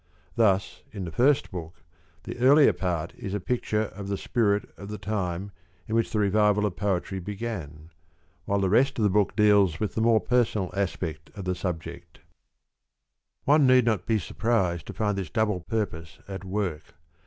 Thus in the first book the earlier part is a picture of the spirit of the time in which the revival of poetry began, while the rest of the book deals with the more personal aspect of the subject. One need not be surprised to find this double purpose at work.